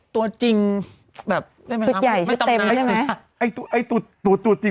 แต่พอได้เจอตัวจริงชุดใหญ่ชุดเต็มใช่ไหม